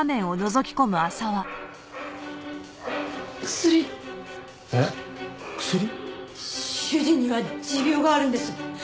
「」薬。えっ薬？主人には持病があるんです。